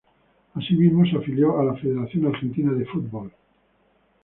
Asimismo se afilió a la Federación Argentina de Football.